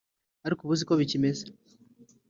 ariko ubu siko bikimeze